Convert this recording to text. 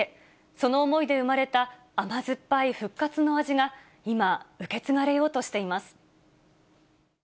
その思いで生まれた甘酸っぱい復活の味が今、受け継がれようとしています。